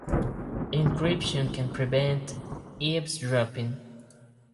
Encryption can prevent eavesdropping.